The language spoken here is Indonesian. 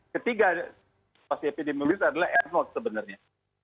ketiga pasti epidemiologis adalah r sebenarnya